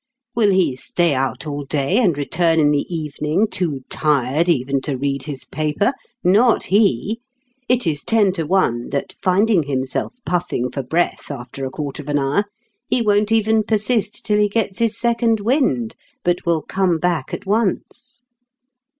Will he stay out all day, and return in the evening too tired even to read his paper? Not he. It is ten to one that, finding himself puffing for breath after a quarter of an hour, he won't even persist till he gets his second wind, but will come back at once.